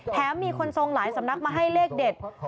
มีคนทรงหลายสำนักมาให้เลขเด็ด